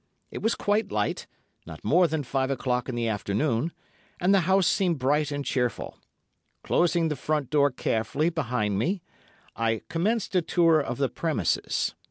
It was quite light, not more than five o'clock in the afternoon, and the house seemed bright and cheerful. Closing the front door carefully behind me, I commenced a tour of the premises.